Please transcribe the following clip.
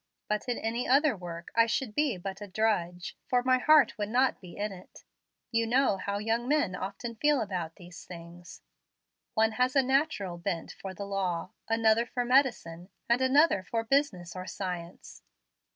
But in any other work I should be but a drudge, for my heart would not be in it You know how young men often feel about these things. One has a natural bent for the law, another for medicine, and another for business or science.